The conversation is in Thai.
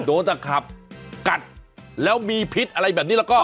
ตะขับกัดแล้วมีพิษอะไรแบบนี้แล้วก็